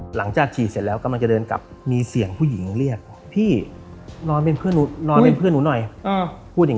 หลังจากฉีดเสร็จแล้วกำลังจะเดินกลับมีเสียงผู้หญิงเรียกพี่นอนเป็นเพื่อนหนูนอนเป็นเพื่อนหนูหน่อยพูดอย่าง